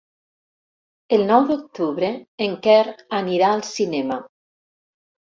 El nou d'octubre en Quer anirà al cinema.